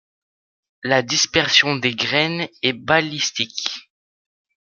La dispersion des graines est balistique.